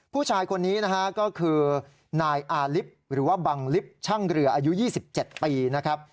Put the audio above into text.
ผู้ชายคนนี้นะฮะก็คือนายอาลิฟต์หรือว่าบังลิฟต์ช่างเรืออายุ๒๗ปีนะครับ